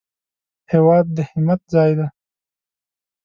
هېواد د همت ځای دی